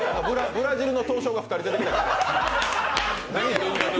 ブラジルの闘将が２人出てきた。